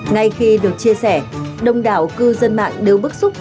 ngay khi được chia sẻ đông đảo cư dân mạng đều bức xúc